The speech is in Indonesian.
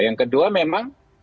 yang kedua memang